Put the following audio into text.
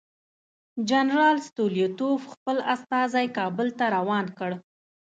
جنرال ستولیتوف خپل استازی کابل ته روان کړ.